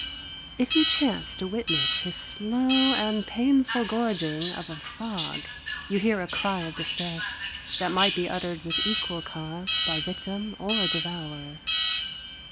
If you chance to witness his slow and painful gorging of a frog, you hear a cry of distress that might be uttered with equal cause by victim or devourer.